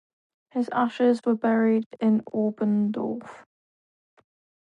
His ashes were buried in Oberndorf.